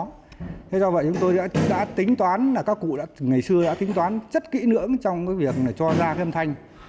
thế do vậy chúng tôi đã tính toán các cụ ngày xưa đã tính toán rất kỹ nữa trong cái việc cho ra cái âm thanh